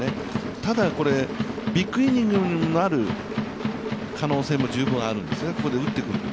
ただ、ビッグイニングになる可能性も十分あるんですよね、ここで打ってくると。